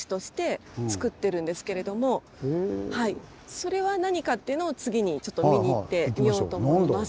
それは何かっていうのを次に見に行ってみようと思います。